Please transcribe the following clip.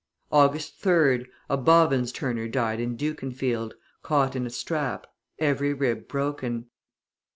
August 3rd, a bobbins turner died in Dukenfield, caught in a strap, every rib broken.